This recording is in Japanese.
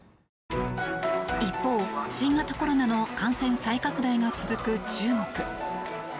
一方、新型コロナの感染再拡大が続く中国。